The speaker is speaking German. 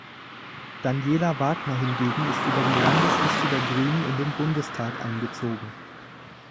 Daniela Wagner hingegen ist über die Landesliste der Grünen in den Bundestag eingezogen.